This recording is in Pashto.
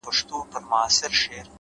روښانه نیت روښانه پایله راوړي،